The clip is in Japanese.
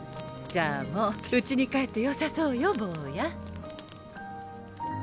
じゃあもううちに帰ってよさそうよ坊や。